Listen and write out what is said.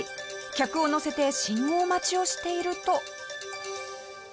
客を乗せて信号待ちをしていると。